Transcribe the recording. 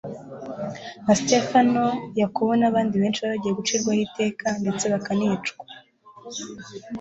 nka Stefano, Yakobo n'abandi benshi bari bagiye gucirwaho iteka ndetse bakanicwa.